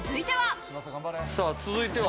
続いては。